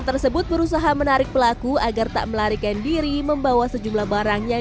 tersebut berusaha menarik pelaku agar tak melarikan diri membawa sejumlah barang yang